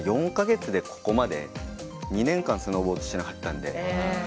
４か月で、ここまで２年間スノーボードしていなかったんで。